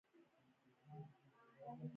افغانستان د چار مغز د ساتنې لپاره قوانین لري.